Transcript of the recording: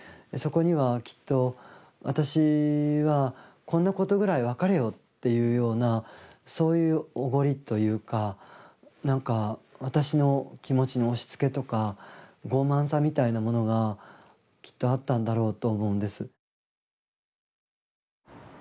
そこにはきっと私はこんなことぐらい分かれよっていうようなそういうおごりというかなんか私の気持ちの押しつけとか傲慢さみたいなものがきっとあったんだろうと思うんです。